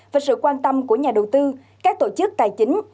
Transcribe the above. và sự quan tâm của nhà đầu tư các tổ chức tài chính